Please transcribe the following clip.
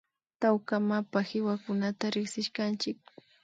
Tawka mapa kiwakunata rikshishkanchik